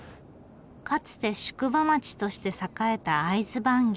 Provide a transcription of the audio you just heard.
かつて宿場町として栄えた会津坂下。